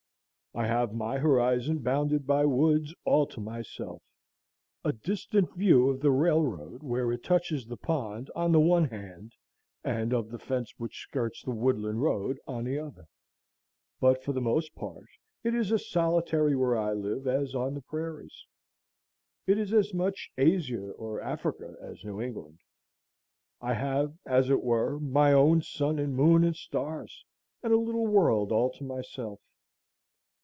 I have my horizon bounded by woods all to myself; a distant view of the railroad where it touches the pond on the one hand, and of the fence which skirts the woodland road on the other. But for the most part it is as solitary where I live as on the prairies. It is as much Asia or Africa as New England. I have, as it were, my own sun and moon and stars, and a little world all to myself.